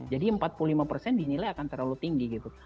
jadi empat puluh lima dinilai akan terlalu tinggi gitu